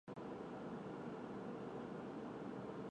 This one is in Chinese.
而多名议员书面质询气象局悬挂风球标准。